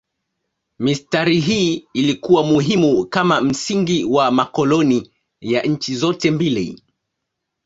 Mistari hii ilikuwa muhimu kama msingi wa makoloni ya nchi zote mbili.